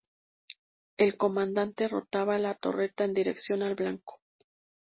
El comandante rotaba la torreta en dirección al blanco.